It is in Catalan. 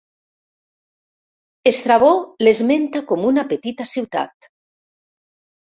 Estrabó l'esmenta com una petita ciutat.